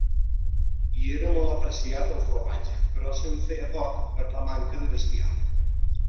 Hi era molt apreciat el formatge, però se'n feia poc, per la manca de bestiar.